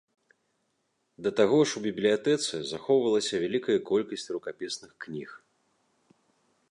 Да таго ж у бібліятэцы захоўвалася вялікая колькасць рукапісных кніг.